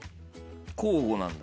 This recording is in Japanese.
交互なんだ。